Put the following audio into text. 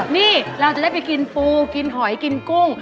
นี่เราจะได้ไปกินปูกินหอยกินกุ้ง